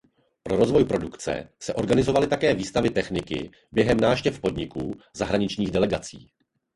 Pro rozvoj produkce se organizovali také výstavy techniky během návštěv podniků zahraničních delegací.